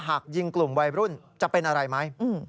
หากยิงกลุ่มวัยรุ่นจะเป็นอะไรไหม